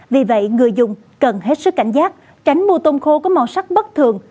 vì vậy người dùng cần hết sức cảnh giác tránh mua tôm khô có màu sắc bất thường